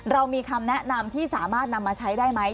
เรามีคำแนะนำที่สามารถนำมาใช้ได้ไหม